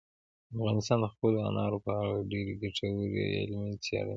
افغانستان د خپلو انارو په اړه ډېرې ګټورې علمي څېړنې لري.